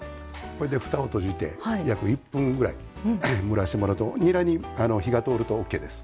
ふたを閉じて約１分ぐらい蒸らしてもらうとにらに火が通るとオーケーです。